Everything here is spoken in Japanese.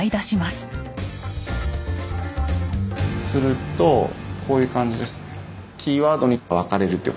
するとこういう感じですね。